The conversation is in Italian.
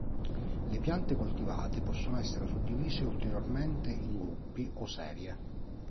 Le piante coltivate possono essere suddivise ulteriormente in gruppi o serie.